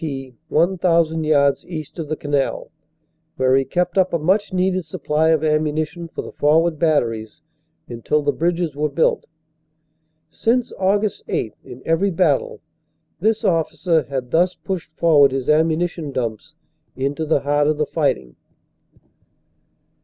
P. 1,000 yards east of the canal, where he kept up a much needed supply of ammunition for the for ward batteries until the bridges were built. Since Aug. 8, in every battle, this officer had thus pushed forward his ammuni tion dumps into the heart of the fighting.